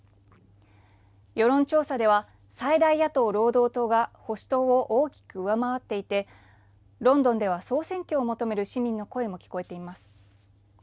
世論調査では最大野党・労働党が保守党を大きく上回っていてロンドンでは総選挙を求める市民の声も聞こえています。